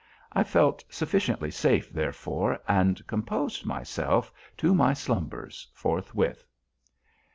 I felt sufficiently safe, therefore, and composed myself to my slumbers forthwith.